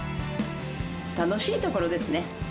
楽しいところですね。